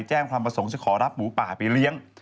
แจ้งความประสงค์จะขอรับหมูป่าไปเลี้ยง